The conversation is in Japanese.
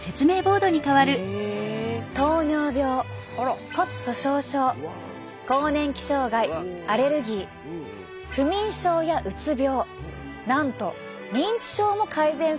糖尿病骨粗しょう症更年期障害アレルギー不眠症やうつ病なんと認知症も改善するという報告も。